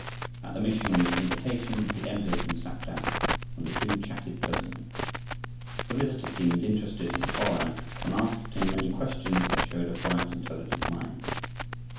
At the missionary's invitation he entered, and sat down, and the two chatted pleasantly. The visitor seemed interested in the foreigner, and asked him many questions that showed a bright, intelligent mind.